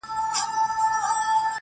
رنګ د جهاني د غزل میو ته لوېدلی دی،